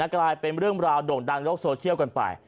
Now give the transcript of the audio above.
กลายเป็นเรื่องราวโด่งดังโลกโซเชียลกันไป